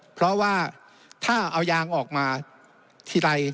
เพราะว่าถ้าเอายางออกมาทีไร